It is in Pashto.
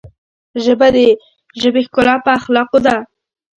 ژبه د ژبې ښکلا په اخلاقو ده